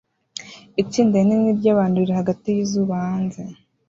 Itsinda rinini ryabantu riri hagati yizuba hanze